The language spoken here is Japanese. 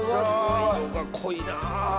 色が濃いなぁ。